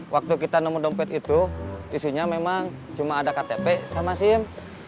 waktu kita nemu dompet itu isinya memang cuma ada ktp sama sim